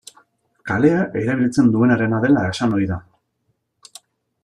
Kalea erabiltzen duenarena dela esan ohi da.